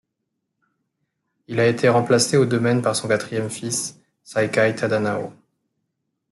Il a été remplacé au domaine par son quatrième fils, Saikai Tadanao.